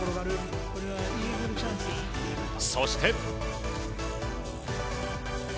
そして。